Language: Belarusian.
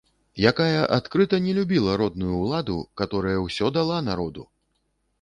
Якая адкрыта не любіла родную ўладу, каторая ўсё дала народу!